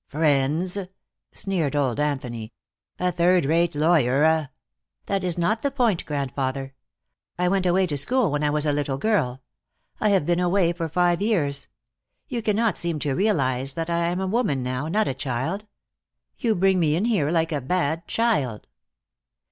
"Friends!" sneered old Anthony. "A third rate lawyer, a " "That is not the point, grandfather. I went away to school when I was a little girl. I have been away for five years. You cannot seem to realize that I am a woman now, not a child. You bring me in here like a bad child."